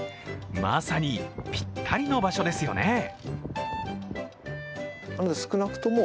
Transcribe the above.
まさにぴったりの場所ですよね。